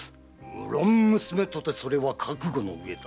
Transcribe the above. むろん娘とてそれは覚悟の上だ。